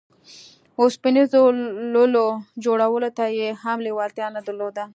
اوسپنيزو لولو جوړولو ته يې هم لېوالتيا نه درلوده.